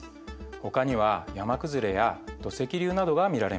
ほかには山崩れや土石流などが見られます。